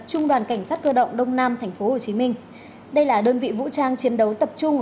trung đoàn cảnh sát cơ động đông nam tp hcm đây là đơn vị vũ trang chiến đấu tập trung